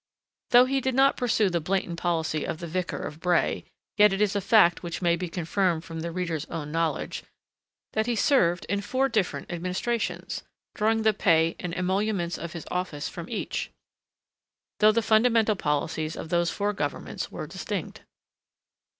Though he did not pursue the blatant policy of the Vicar of Bray, yet it is fact which may be confirmed from the reader's own knowledge, that he served in four different administrations, drawing the pay and emoluments of his office from each, though the fundamental policies of those four governments were distinct.